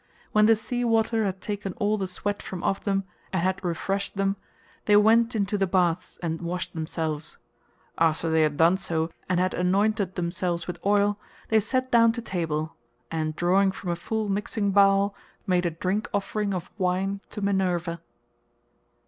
When the sea water had taken all the sweat from off them, and had refreshed them, they went into the baths and washed themselves. After they had so done and had anointed themselves with oil, they sat down to table, and drawing from a full mixing bowl, made a drink offering of wine to Minerva.